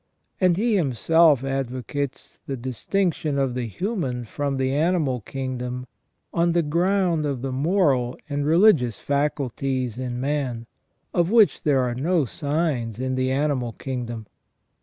And he himself advocates the distinction of the human from the animal kingdom on the ground of the moral and religious faculties in man, of which there are no signs in the animal kingdom.